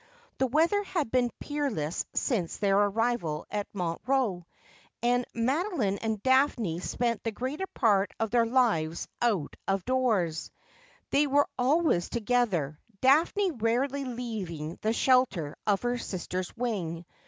The weather had been peerless since their arrival at Montreux ; and Mado line and Daphne spent the greater part of their lives out of doors. They were always together, Daphne rarely leaving the shelter of her sister's wing.